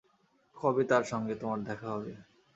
কবে তাঁর সঙ্গে তোমার দেখা হবে?